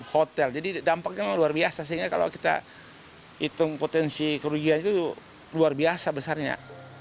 hotel jadi dampaknya memang luar biasa sehingga kalau kita hitung potensi kerugian itu luar biasa besarnya